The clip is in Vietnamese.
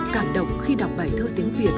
cảm động khi đọc bài thơ tiếng việt